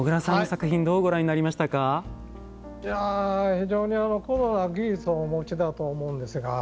非常に高度な技術をお持ちだと思うんですが。